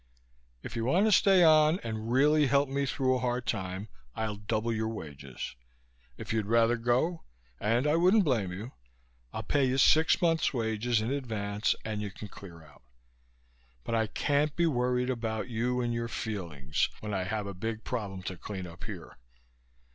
If you want to stay on and really help me through a hard time, I'll double your wages. If you'd rather go and I wouldn't blame you I'll pay you six months wages in advance and you can clear out. But I can't be worried about you and your feelings when I have a big problem to clean up here.